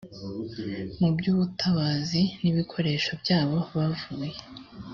mu by ubutabazi n ibikoresho byabo bavuye